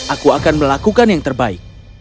aku akan melakukan yang terbaik